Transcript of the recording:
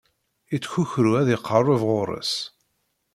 Ittkukru ad iqerreb ɣur-s.